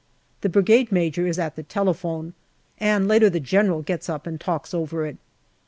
The Brigade Major is at the telephone, and later the General gets up and talks over it.